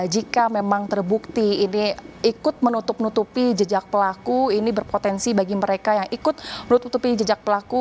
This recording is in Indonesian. jika memang terbukti ini ikut menutup nutupi jejak pelaku ini berpotensi bagi mereka yang ikut menutupi jejak pelaku